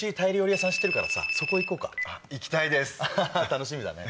楽しみだね。